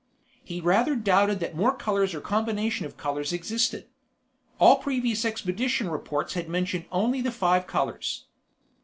He rather doubted that more colors or combination of colors existed. All previous expedition reports had mentioned only the five colors.